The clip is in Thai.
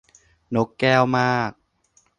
นกแก้วมาก